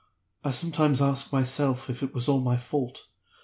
I sometimes ask myself if it was all my fault.